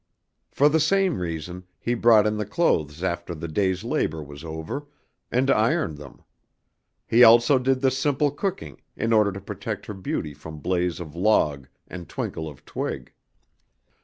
For the same reason, he brought in the clothes after the day's labor was over, and ironed them. He also did the simple cooking in order to protect her beauty from blaze of log and twinkle of twig.